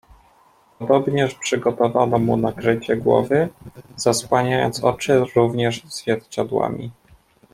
"Podobnież przygotowano mu nakrycie głowy, zasłaniając oczy również zwierciadłami."